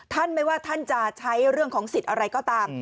ไม่ว่าท่านจะใช้เรื่องของสิทธิ์อะไรก็ตาม